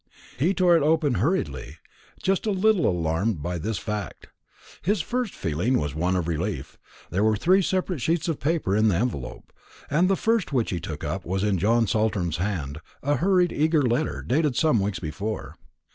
He tore it open hurriedly, just a little alarmed by this fact. His first feeling was one of relief. There were three separate sheets of paper in the envelope, and the first which he took up was in John Saltram's hand a hurried eager letter, dated some weeks before.